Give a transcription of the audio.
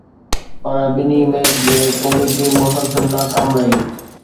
پر ٻئي ميچ ۾ قومي ٽيم مسلسل ناڪام رهي.